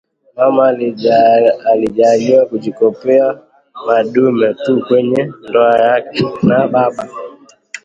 Mama alijaaliwa kujikopoa madume tu kwenye ndoa yake na baba